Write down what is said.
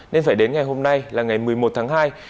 nên phải đến ngày hôm nay là ngày một mươi một tháng hai